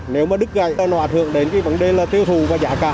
nếu mà đứt gãy nó hạ thượng đến cái vấn đề là tiêu thụ và giá cả